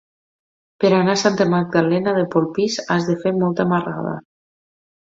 Per anar a Santa Magdalena de Polpís has de fer molta marrada.